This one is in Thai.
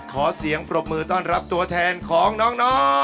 ขอเสียงปรบมือต้อนรับตัวแทนของน้อง